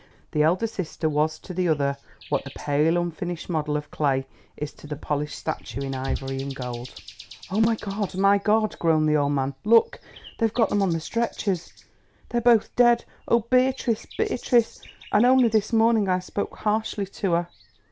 The elder sister was to the other what the pale unfinished model of clay is to the polished statue in ivory and gold. "Oh, my God! my God!" groaned the old man; "look, they have got them on the stretchers. They are both dead. Oh, Beatrice! Beatrice! and only this morning I spoke harshly to her."